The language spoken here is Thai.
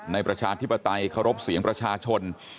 ในประชาธิปไตยขอบเสียงประชาชน